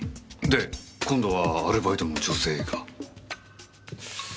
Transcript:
で今度はアルバイトの女性が。